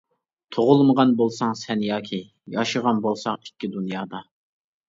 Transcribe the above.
تۇغۇلمىغان بولساڭ سەن ياكى، ياشىغان بولساق ئىككى دۇنيادا.